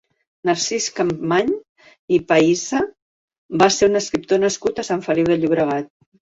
Narcís Campmany i Pahissa va ser un escriptor nascut a Sant Feliu de Llobregat.